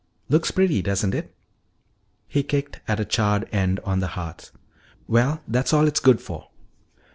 Looks pretty, doesn't it?" He kicked at a charred end on the hearth. "Well, that's all it's good for!"